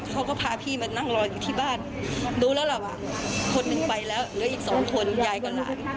เขาก็พาพี่มานั่งรออยู่ที่บ้านรู้แล้วล่ะว่าคนหนึ่งไปแล้วเหลืออีกสองคนยายกับหลาน